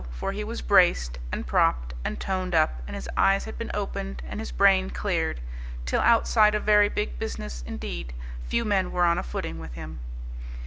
For he was braced, and propped, and toned up, and his eyes had been opened, and his brain cleared, till outside of very big business, indeed, few men were on a footing with him.